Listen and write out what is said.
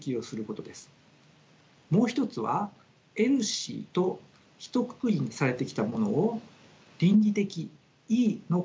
もう一つはＥＬＳＩとひとくくりにされてきたものを倫理的の課題